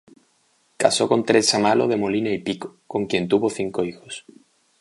Casó con Teresa Malo de Molina y Pico, con quien tuvo cinco hijos.